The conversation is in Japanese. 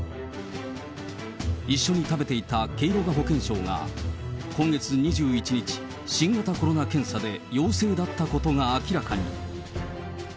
一緒に食べていたケイロガ保健相が今月２１日、新型コロナ検査で陽性だったことが明らかに。